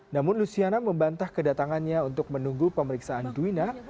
namun luciana membantah kedatangannya untuk menunggu pemeriksaan duwina